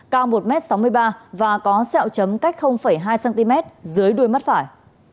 cao một m sáu mươi ba và có sẹo chấm cách hai cm dưới đuôi mắt phải